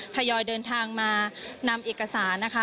ยอยเดินทางมานำเอกสารนะคะ